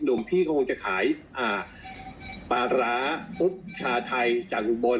หนุ่มพี่ก็คงจะขายปลาร้าอุ๊บชาไทยจากกรุงบน